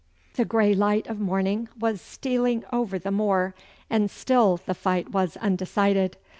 The grey light of morning was stealing over the moor, and still the fight was undecided.